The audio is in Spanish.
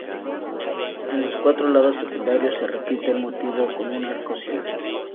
En los cuatro lados secundarios se repite el motivo con un arco ciego.